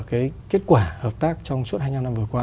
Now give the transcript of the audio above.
cái kết quả hợp tác trong suốt hai mươi năm năm vừa qua